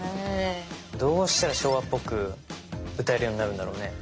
どうしたら昭和っぽく歌えるようになるんだろうね。